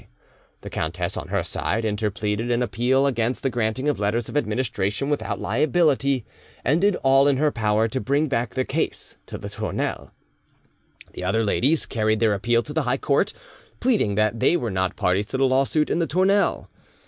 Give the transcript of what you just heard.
The countess, on her side, interpleaded an appeal against the granting of letters of administration without liability, and did all in her power to bring back the case to the Tournelle. The other ladies carried their appeal to the high court, pleading that they were not parties to the lawsuit in the Tournelle.